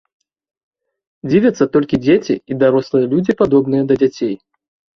Дзівяцца толькі дзеці і дарослыя людзі, падобныя да дзяцей.